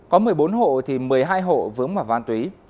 có một mươi bốn hộ thì một mươi hai hộ vướng vào vang tuyến